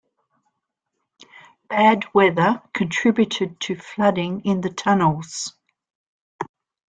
Bad weather contributed to flooding in the tunnels.